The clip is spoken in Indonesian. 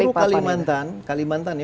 di seluruh kalimantan